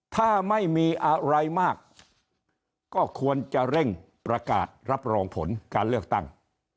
ถ้าไม่มีอะไรมากก็ควรจะเร่งประกาศรับรองผลการเลือกตั้ง